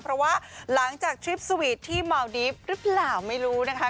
เพราะว่าหลังจากทริปสวีทที่เมาดีฟหรือเปล่าไม่รู้นะคะ